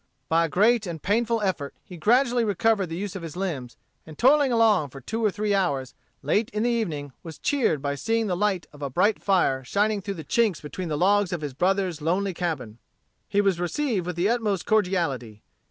By great and painful effort he gradually recovered the use of his limbs, and toiling along for two or three hours, late in the evening was cheered by seeing the light of a bright fire shining through the chinks between the logs of his brother's lonely cabin. He was received with the utmost cordiality.